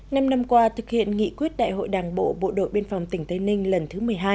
năm năm qua thực hiện nghị quyết đại hội đảng bộ bộ đội biên phòng tỉnh tây ninh lần thứ một mươi hai